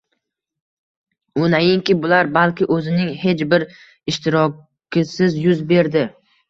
U nainki bular, balki o’zining hech bir ishtirokisiz yuz berdi.